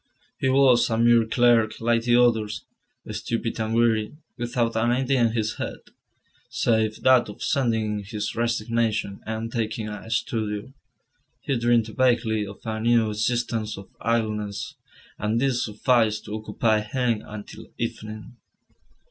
He was a mere clerk like the others, stupid and weary, without an idea in his head, save that of sending in his resignation and taking a studio. He dreamed vaguely of a new existence of idleness, and this sufficed to occupy him until evening.